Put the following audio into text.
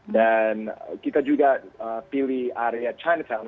dan kita juga pilih area chinatown